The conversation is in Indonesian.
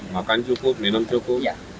makan cukup minum cukup